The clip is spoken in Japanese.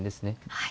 はい。